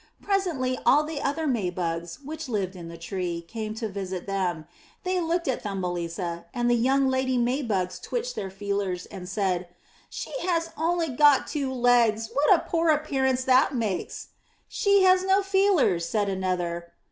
Presently all the other May bugs which lived in the tree came to visit them; they looked at Thumbelisa, and the young lady May bugs twitched their feelers and said, ''She has only got two legs! What a poor appearance that makes!'* ''She has no feelers!" said another.